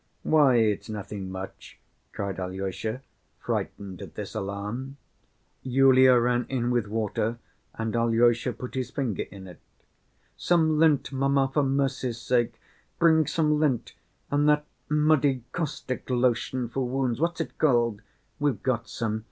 "Why, it's nothing much," cried Alyosha, frightened at this alarm. Yulia ran in with water and Alyosha put his finger in it. "Some lint, mamma, for mercy's sake, bring some lint and that muddy caustic lotion for wounds, what's it called? We've got some.